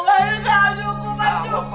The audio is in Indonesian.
enggak ini gak cukup gak cukup